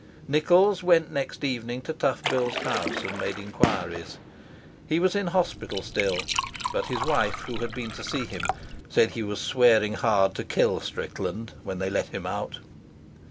Nichols went next evening to Tough Bill's house and made enquiries. He was in hospital still, but his wife, who had been to see him, said he was swearing hard to kill Strickland when they let him out.